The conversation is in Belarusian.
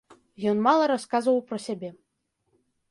Ён мала расказваў пра сябе.